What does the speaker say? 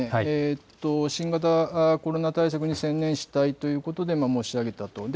新型コロナ対策に専念したいということで申し上げたと。